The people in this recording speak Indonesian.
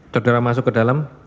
saudara masuk ke dalam